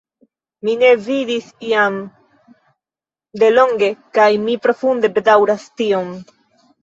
Mi ne vidis Jean delonge, kaj mi profunde bedaŭras tion.